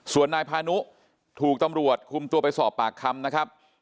ส่วนนายพานุถูกตำรวจคุมตัวไปสอบปากคำนะครับ